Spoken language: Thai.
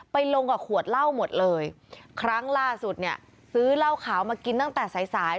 ลงกับขวดเหล้าหมดเลยครั้งล่าสุดเนี่ยซื้อเหล้าขาวมากินตั้งแต่สายสาย